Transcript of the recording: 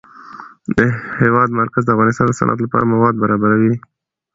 د هېواد مرکز د افغانستان د صنعت لپاره مواد برابروي.